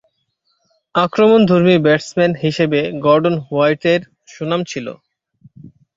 আক্রমণধর্মী batsman হিসেবে Gordon হোয়াইটের সুনাম ছিল।